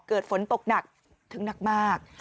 เกิดฝนตกหนักถึงหนักมาก